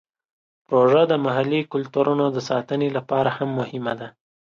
پروژه د محلي کلتورونو د ساتنې لپاره هم مهمه ده.